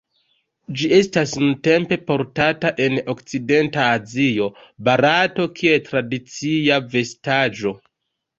Ĝi estas nuntempe portata en okcidenta Azio, Barato, kiel tradicia vestaĵo.